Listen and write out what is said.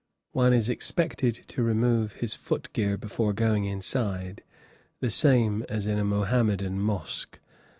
One is expected to remove his foot gear before going inside, the same as in a Mohammedan mosque.